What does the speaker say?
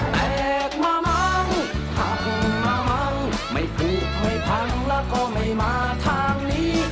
แตกมามั้งหักมามั้งไม่ปลูกไม่พังแล้วก็ไม่มาทางนี้